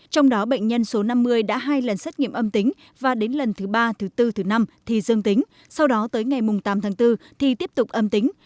trong đó bệnh nhân số năm mươi đã hai lần xét nghiệm âm tính và đến lần thứ ba thứ bốn thứ năm thì dương tính sau đó tới ngày tám tháng bốn thì tiếp tục âm tính